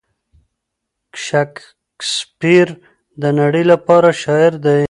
شکسپیر د نړۍ لپاره شاعر دی.